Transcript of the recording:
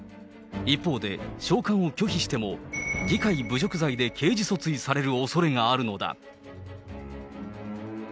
一方で、召喚を拒否しても、議会侮辱罪で刑事訴追されるおそれがあるのだ。